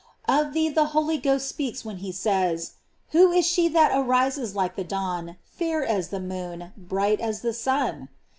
Of thee the Holy Ghost speaks when he says: Who is she that arises like the dawn, fair as the moon, bright as the sun?